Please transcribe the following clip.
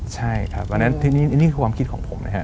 ใช่ครับวันนั้นนี่คือความคิดของผมนะฮะ